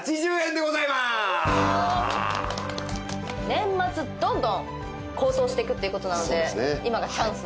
年末どんどん高騰していくっていう事なので今がチャンスなんじゃないかと。